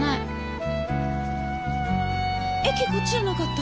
駅こっちじゃなかった？